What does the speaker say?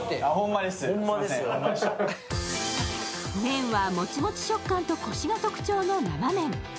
麺はもちもち食感とこしが特徴の生麺。